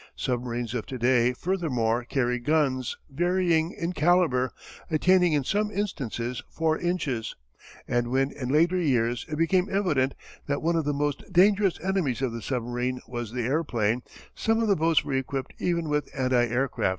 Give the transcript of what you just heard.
Submarines of to day furthermore carry guns varying in calibre, attaining in some instances four inches, and when in later years it became evident that one of the most dangerous enemies of the submarine was the airplane, some of the boats were equipped even with anti aircraft guns.